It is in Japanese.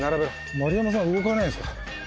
丸山さん動かないんですか？